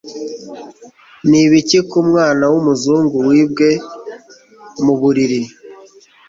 Nibiki kumwana wumuzungu wibwe muburiri